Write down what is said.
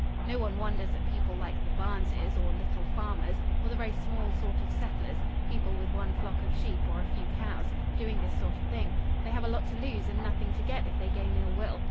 No one wonders at people like the Barnes's, or little farmers, or the very small sort of settlers, people with one flock of sheep or a few cows, doing this sort of thing; they have a lot to lose and nothing to get if they gain ill will.